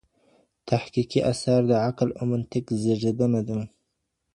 تحقیقي آثار د عقل او منطق زېږنده دي.